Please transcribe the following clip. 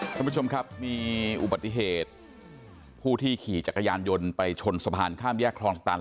ท่านผู้ชมครับมีอุบัติเหตุผู้ที่ขี่จักรยานยนต์ไปชนสะพานข้ามแยกคลองตัน